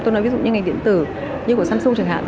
tôi nói ví dụ như ngành điện tử như của samsung chẳng hạn